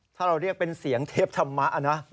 ถ้าเราเรียกเป็นเสียงเทพธรรมะนะ